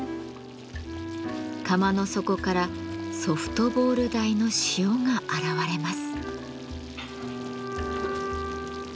釜の底からソフトボール大の塩が現れます。